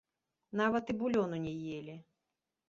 Нават і булёну не елі.